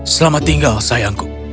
selamat tinggal sayangku